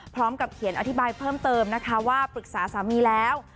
พร้อมกับเขียนอธิบายเพิ่มเติมนะคะว่าปรึกษาสามีแล้ว